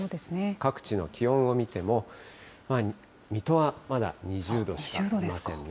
各地の気温を見ても、水戸はまだ２０度しかありませんね。